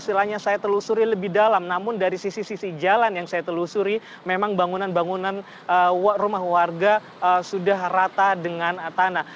istilahnya saya telusuri lebih dalam namun dari sisi sisi jalan yang saya telusuri memang bangunan bangunan rumah warga sudah rata dengan tanah